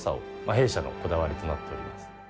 弊社のこだわりとなっております。